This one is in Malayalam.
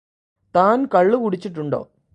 താന് കള്ളുകുടിച്ചിട്ടുണ്ടോ